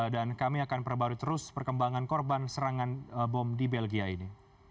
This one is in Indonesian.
dan kami akan perbarui terus perkembangan korban serangan bom di belgia ini